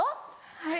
はい。